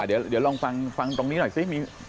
เดี๋ยวลองฟังตรงนี้หน่อยสิ